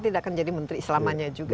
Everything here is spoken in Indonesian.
tidak akan jadi menteri selamanya juga